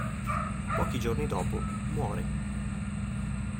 Pochi giorni dopo, muore.